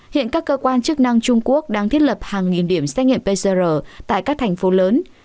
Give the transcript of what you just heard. hiện các cơ quan chức năng trung quốc đang thiết lập hàng nghìn điểm xét nghiệm pcr tại các thành phố lớn